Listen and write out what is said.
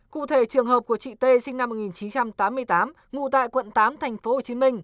cụ thể trường hợp của chị t sinh năm một nghìn chín trăm tám mươi tám ngụ tại quận tám tp hcm